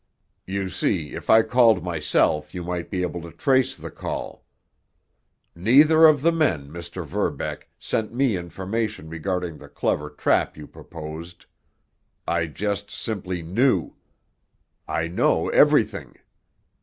You see, if I called myself you might be able to trace the call. Neither of the men, Mr. Verbeck, sent me information regarding the clever trap you proposed. I just simply knew. I know everything!